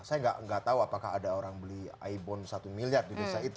saya nggak tahu apakah ada orang beli ibon satu miliar di desa itu